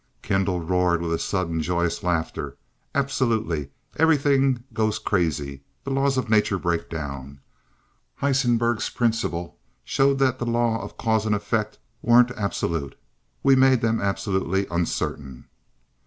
Kendall roared with sudden, joyous laughter. "Absolutely. Everything goes crazy the laws of nature break down! Heisenberg's principle showed that the law of cause and effect weren't absolute. We've made them absolutely uncertain!"